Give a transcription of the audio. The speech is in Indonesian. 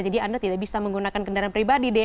jadi anda tidak bisa menggunakan kendaraan pribadi deh